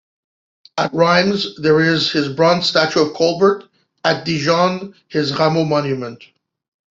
At Reims there is his bronze statue of "Colbert", at Dijon his "Rameau" monument.